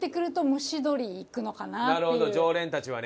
なるほど常連たちはね。